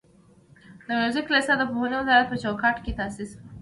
د موزیک لیسه د پوهنې وزارت په چوکاټ کې تاسیس شوه.